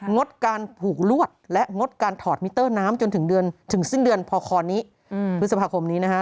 งดการผูกลวดและงดการถอดมิเตอร์น้ำจนถึงเดือนถึงสิ้นเดือนพอคอนี้พฤษภาคมนี้นะฮะ